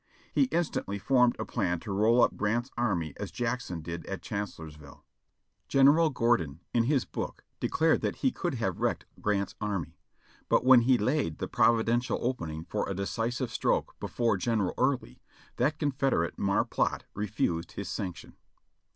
He instantly formed a plan to roll up Grant's army as Jackson did at Chancellorsville. General Gordon in his book declared that he could have wrecked Grant's army, but when he laid the providential opening for a decisive stroke be fore General Early, that Confederate mar plot refused his sanction.